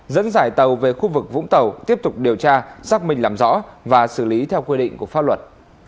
dẫn dải tàu về khu vực vũng tàu tiếp tục điều tra xác minh làm rõ và xử lý theo quy định của pháp luật